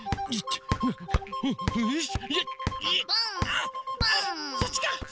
あそっちか！